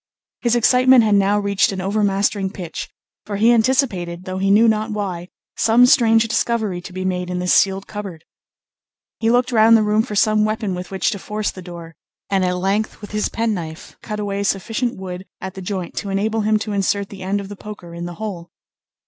His excitement had now reached an overmastering pitch; for he anticipated, though he knew not why, some strange discovery to be made in this sealed cupboard. He looked round the room for some weapon with which to force the door, and at length with his penknife cut away sufficient wood at the joint to enable him to insert the end of the poker in the hole.